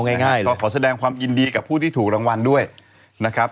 ง่ายก็ขอแสดงความยินดีกับผู้ที่ถูกรางวัลด้วยนะครับ